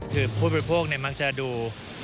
คือผู้บริษัทพวกมักจะดู